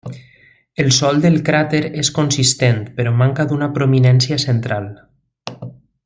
El sòl del cràter és consistent, però manca d'una prominència central.